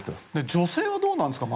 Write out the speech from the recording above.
女性はどうなんですか